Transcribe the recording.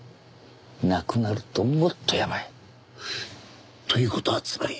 なくなるともっとやばい。という事はつまり。